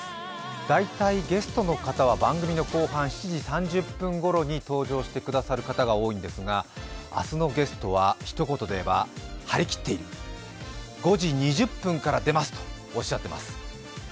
大体ゲストの方は番組の後半、７時３０分ごろに登場してくださる方が多いんですが、明日のゲストはひと言では、張りきっている、５時２０分から出ますとおっしゃってます。